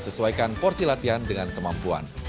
sesuaikan porsi latihan dengan kemampuan